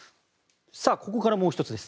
ここからもう１つです。